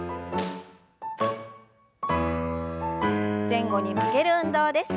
前後に曲げる運動です。